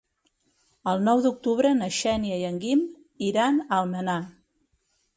El nou d'octubre na Xènia i en Guim iran a Almenar.